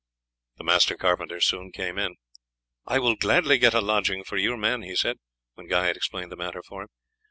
The master carpenter soon came in. "I will gladly get a lodging for your men," he said, when Guy had explained the matter to him.